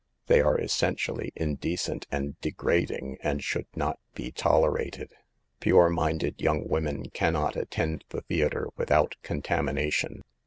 They are essentially indecent and degrading, and should not be tolerated. Pure minded young women can not attend . the theater without contamination.